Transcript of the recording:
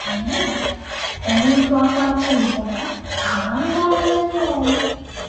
Omuntu akwata empola awangaala nnyo.